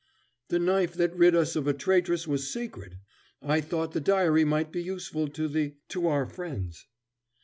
"The knife that rid us of a traitress was sacred. I thought the diary might be useful to the to our friends."